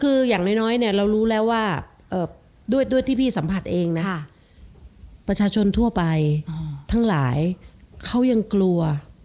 คืออย่างน้อยเนี่ยเรารู้แล้วว่าด้วยที่พี่สัมผัสเองนะประชาชนทั่วไปทั้งหลายเขายังกลัว